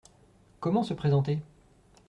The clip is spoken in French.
Comment se présenter ?